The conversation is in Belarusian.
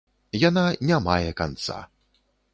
Яна не мае канца.